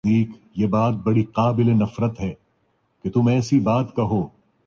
وہی رہ جاتے ہیں۔